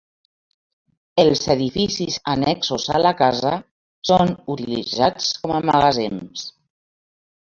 Els edificis annexos a la casa són utilitzats com a magatzems.